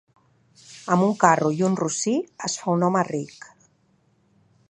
Amb un carro i un rossí es fa un home ric.